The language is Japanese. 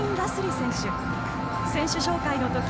選手紹介のとき